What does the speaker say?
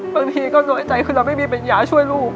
บางทีก็น้อยใจคือเราไม่มีปัญญาช่วยลูก